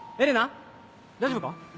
大丈夫か？